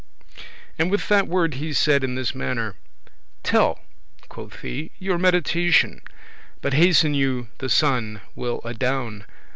And with that word he said in this mannere; "Telle," quoth he, "your meditatioun, But hasten you, the sunne will adown.